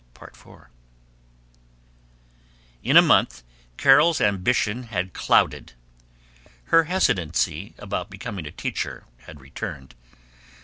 IV In a month Carol's ambition had clouded. Her hesitancy about becoming a teacher had returned.